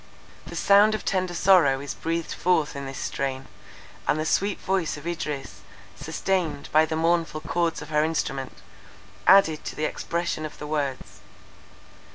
The soul of tender sorrow is breathed forth in this strain; and the sweet voice of Idris, sustained by the mournful chords of her instrument, added to the expression of the words.